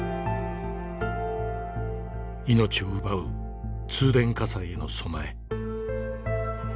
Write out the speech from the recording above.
命を奪う通電火災への備え。